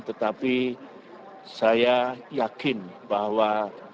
tetapi saya yakin bahwa